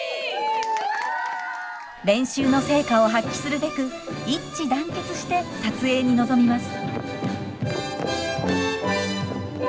練習の成果を発揮するべく一致団結して撮影に臨みます。